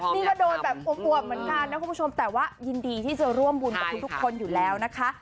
นี่ก็โดนแบบอวบเหมือนกันนะคุณผู้ชมแต่ว่ายินดีที่จะร่วมบุญกับทุกคนอยู่แล้วนะคะ